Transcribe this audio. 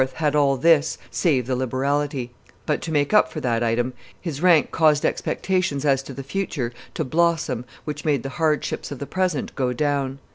had all this, save the liberality; but to make up for that item, his rank caused expectations as to the future to blossom, which made the hardships of the present go down.